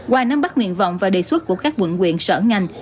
qua nắm bắt nguyện vọng và đề xuất của các quận quyện sở ngành